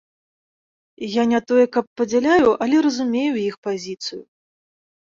Я не тое каб падзяляю, але разумею іх пазіцыю.